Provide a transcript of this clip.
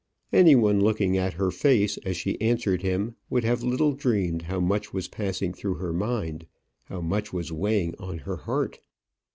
Any one looking at her face as she answered him would have little dreamed how much was passing through her mind, how much was weighing on her heart.